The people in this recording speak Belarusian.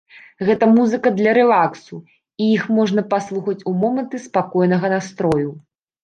Гэта музыка для рэлаксу, і іх можна паслухаць ў моманты спакойнага настрою.